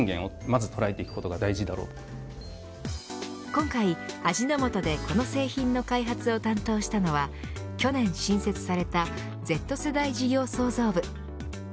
今回、味の素でこの製品の開発を担当したのは去年新設されたＺ世代事業創造部。